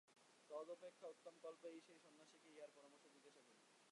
তদপেক্ষা উত্তম কল্প এই সেই সন্ন্যাসীকেই ইহার পরামর্শ জিজ্ঞাসা করি।